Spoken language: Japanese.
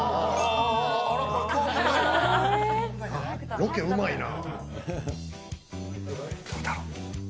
ロケ、うまいな。